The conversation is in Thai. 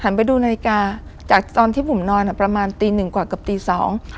ไปดูนาฬิกาจากตอนที่ผมนอนอ่ะประมาณตีหนึ่งกว่าเกือบตีสอง